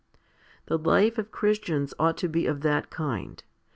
The life of Christians ought to be of that kind.